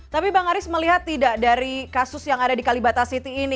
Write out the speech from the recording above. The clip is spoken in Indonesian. tapi bang aris melihat tidak dari kasus yang ada di kalibata city ini